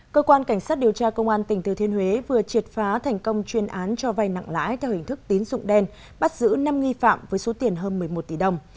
cơ quan cảnh sát điều tra công an tỉnh thừa thiên huế vừa triệt phá thành công chuyên án cho vay nặng lãi theo hình thức tín dụng đen bắt giữ năm nghi phạm với số tiền hơn một mươi một tỷ đồng